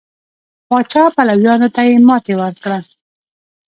پاچا پلویانو ته یې ماتې ورکړه.